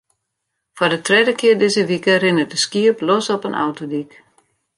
Foar de tredde kear dizze wike rinne der skiep los op in autodyk.